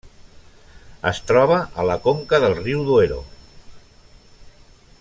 Es troba a la conca del riu Duero.